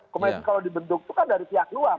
komite etik kalau dibentuk itu kan dari pihak luar